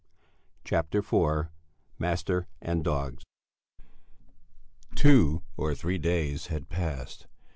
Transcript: CHAPTER IV MASTER AND DOGS Two or three days had passed.